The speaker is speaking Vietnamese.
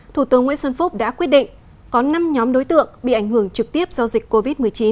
thủ tướng nguyễn xuân phúc đã quyết định có năm nhóm đối tượng bị ảnh hưởng trực tiếp do dịch covid một mươi chín